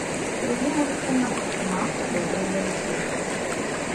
Другі мужчына пратрымаўся даўжэй за ўсіх.